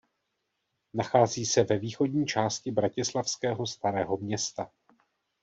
Nachází se ve východní části bratislavského Starého města.